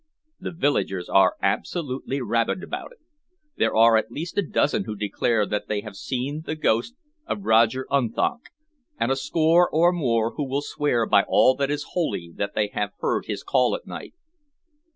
"The villagers are absolutely rabid about it. There are at least a dozen who declare that they have seen the ghost of Roger Unthank, and a score or more who will swear by all that is holy that they have heard his call at night."